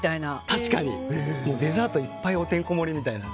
デザートいっぱいてんこ盛りみたいな。